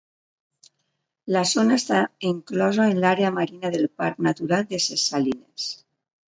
La zona està enclosa en l'àrea marina del Parc natural de ses Salines.